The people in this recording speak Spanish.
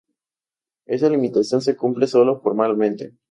esa limitación se cumple solo formalmente